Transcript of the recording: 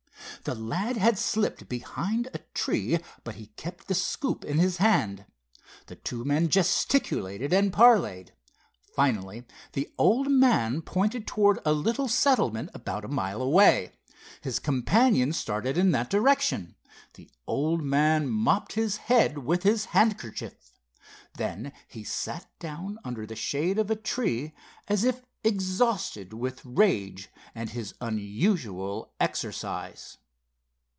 The lad had slipped behind a tree, but he kept the scoop in his hand. The two men gesticulated and parleyed. Finally the old man pointed toward a little settlement about a mile away. His companion started in that direction. The old man mopped his head with his handkerchief. Then he sat down under the shade of a tree as if exhausted with rage and his unusual exercise.